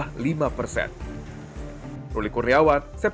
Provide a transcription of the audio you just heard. ke dalam perbincangan di ipf